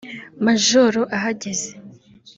Majoro ahageze